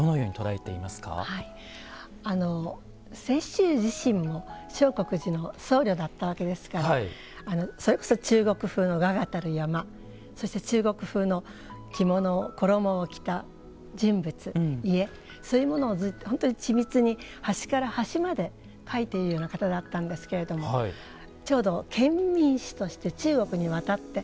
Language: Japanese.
雪舟自身も相国寺の僧侶だったわけですからそれこそ中国風の峨々たる山そして中国風の着物を衣を着た人物家そういうものを本当に緻密に端から端まで描いているような方だったんですけれどもちょうど遣明使として中国に渡って。